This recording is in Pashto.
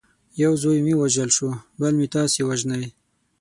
یو زوی مې ووژل شو بل مې تاسي وژنئ.